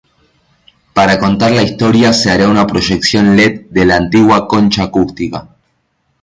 Para contar la historia se hará una proyección led de la antigua concha acústica.